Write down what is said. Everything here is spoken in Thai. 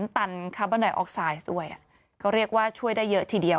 ตันคาร์บอนไดออกไซด์ด้วยก็เรียกว่าช่วยได้เยอะทีเดียว